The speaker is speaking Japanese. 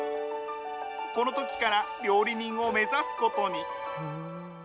このときから料理人を目指すことに。